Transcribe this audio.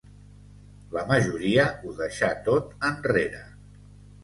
La majoria ho deixà tot enrere.